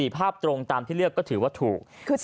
ภาพตรงตามที่เลือกก็ถือว่าถูก